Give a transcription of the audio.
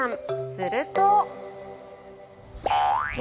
すると。